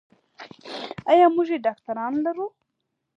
ایا موږ یې ډاکتران لرو.